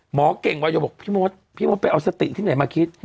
หมอก่๒๐๒๕ก็บอกพี่มทรพี่มทรไปเอาสติที่ไหนมาคิด